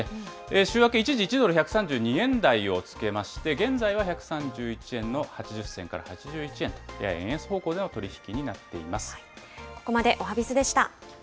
週明け一時１ドル１３２円台をつけまして、１３１円の８０銭から８１銭、円安方向での取り引きとなっています。